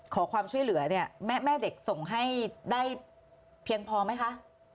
ขอความช่วยเหลือเนี่ยแม่เด็กส่งให้ได้เพียงพอไหมคะ